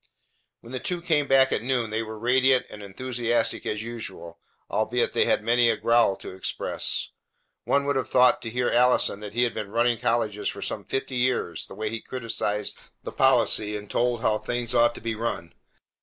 When the two came back at noon, they were radiant and enthusiastic as usual, albeit they had many a growl to express. One would have thought to hear Allison that he had been running colleges for some fifty years the way he criticized the policy and told how things ought to be run.